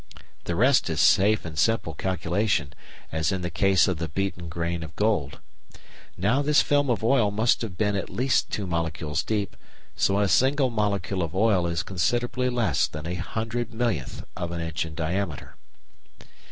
The rest is safe and simple calculation, as in the case of the beaten grain of gold. Now this film of oil must have been at least two molecules deep, so a single molecule of oil is considerably less than a hundred millionth of an inch in diameter.